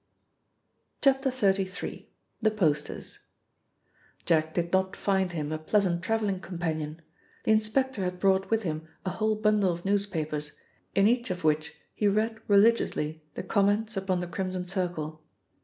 XXXIII. — THE POSTERS JACK did not find him a pleasant travelling companion; the inspector had brought with him a whole bundle of newspapers, in each of which he read religiously the comments upon the Crimson Circle.